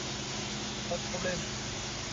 Pas de problème !